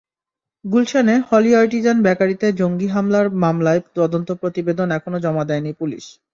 গুলশানে Holey Artisan বেকারিতে জঙ্গি হামলার মামলায় তদন্ত প্রতিবেদন এখনো জমা দেয়নি পুলিশ।